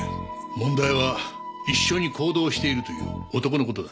問題は一緒に行動しているという男の事だ。